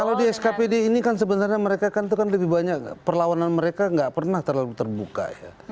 kalau di skpd ini kan sebenarnya mereka kan itu kan lebih banyak perlawanan mereka nggak pernah terlalu terbuka ya